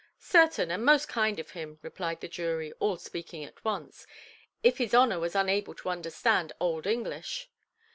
"Certain, and most kind of him", replied the jury, all speaking at once, "if his honour was unable to understand old English".